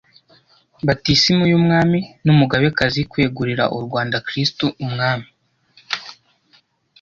batisimu y'umwami n'umugabekazi, kwegurira u Rwanda Kristu umwami,